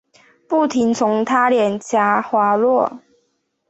不停从她脸颊滑落